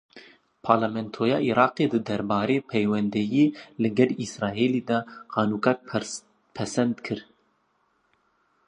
Parlamentoya Iraqê di derbarê peywendiyên li gel Îsraîlê de qanûnek pesend kir.